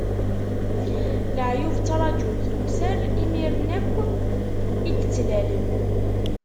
Leεyub ttraǧun tewser, imiren akk i d-ttlalen.